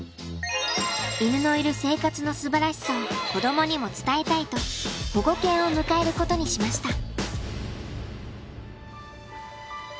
犬のいる生活のすばらしさを子供にも伝えたいと保護犬を迎えることにしました。